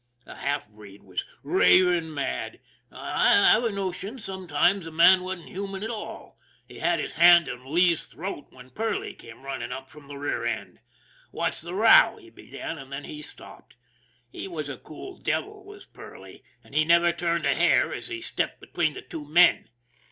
The half breed was raving mad. I've a notion some times the man wasn't human at all. He had his hand on Lee's throat when Perley came running up from the rear end. " What's the row ?" he began, and then he stopped. He was a cool devil was Perley, and he never turned a hair as he stepped between the two men.